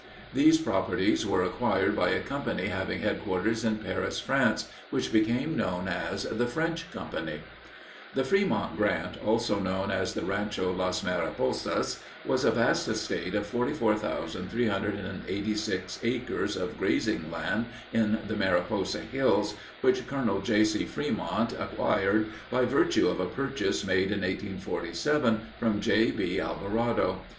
These properties were acquired by a company having headquarters in Paris, France, which became known as "The French Company." The Frémont Grant, also known as the Rancho Las Mariposas, was a vast estate of 44,386 acres of grazing land in the Mariposa hills, which Colonel J. C. Frémont acquired by virtue of a purchase made in 1847 from J. B. Alvarado.